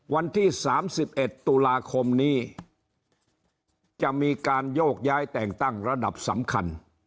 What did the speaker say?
วันที่๓๑ตุลาคมนี้จะมีการโยกย้ายแต่งตั้งระดับสำคัญ